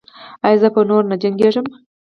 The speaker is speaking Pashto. ایا زه به نور نه جنګیږم؟